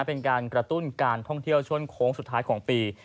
เป็นการกระตุ้นการท่องเที่ยวช่วงโค้งสุดท้ายของปี